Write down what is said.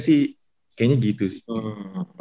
sih kayaknya gitu sih